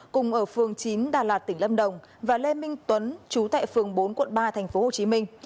cùng ở phường chín đà lạt tỉnh lâm đồng và lê minh tuấn trú tại phường bốn quận ba thành phố hồ chí minh